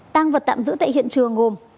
tăng vật tạm giữ tại hiện trường gồm